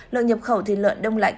lợn nhập khẩu thịt lợn đông lạnh